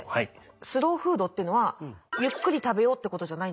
スローフードっていうのはゆっくり食べようってことじゃないんですか？